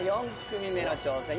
４組目の挑戦。